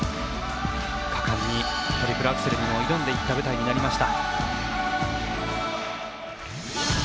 果敢にトリプルアクセルに挑んでいった舞台になりました。